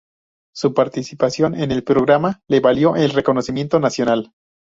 Su participación en el programa le valió el reconocimiento nacional.